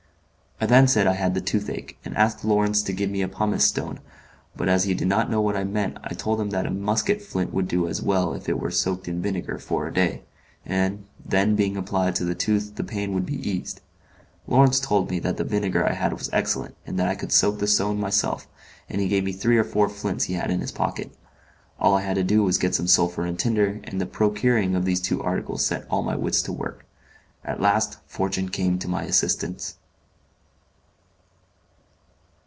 I then said I had the toothache, and asked Lawrence to get me a pumice stone, but as he did not know what I meant I told him that a musket flint would do as well if it were soaked in vinegar for a day, and, then being applied to the tooth the pain would be eased. Lawrence told me that the vinegar I had was excellent, and that I could soak the stone myself, and he gave me three or four flints he had in his pocket. All I had to do was to get some sulphur and tinder, and the procuring of these two articles set all my wits to work. At last fortune came to my assistance.